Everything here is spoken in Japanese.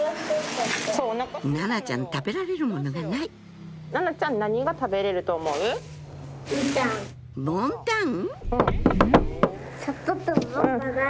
奈々ちゃん食べられるものがないボンタン？